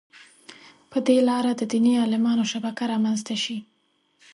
په دې لاره د دیني عالمانو شبکه رامنځته شي.